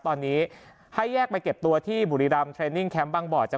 ตอนนี้ให้แยกไปเก็บตัวที่บุรีรำเทรนนิ่งแคมป์บางบ่อจาก